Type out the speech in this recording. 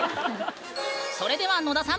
それでは野田さん